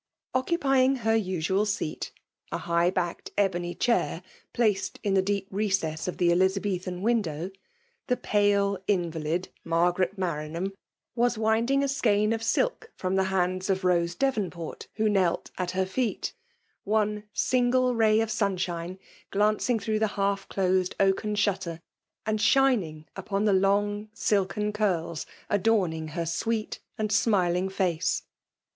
Occupying her usual seat^ a high backed ehcmy chair placed in the deep recess of the Elizabethan window, the pale invalid Mar* garet Maxanham was winding a skein of silk firam the hands of Bose Devonport^ who kndt at her feet ; one single ray of sunshine glaac« ing through the half dosed oaken shutter, and shining upon the long silken curls adoriung her «weet and smiling face.